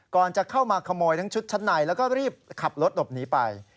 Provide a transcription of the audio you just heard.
ก่อนจะเข้ามาขโมยทั้งชุดชั้นในแล้วก็รีบขับรถหลบหนีไป